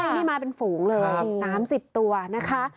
นี่มาเป็นฝูงเลย๓๐ตัวนะคะ